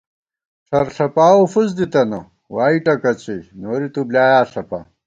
ڄَھر ݪَپاوَہ فُس دِتَنہ، وائی ٹکَڅُوئی نوری تُو بۡلیایا ݪَپا